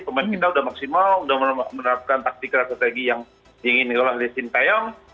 pemain kita sudah maksimal sudah menerapkan taktik strategi yang diinginkan oleh sintayong